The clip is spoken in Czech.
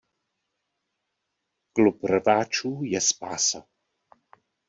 Klub rváčů je spása!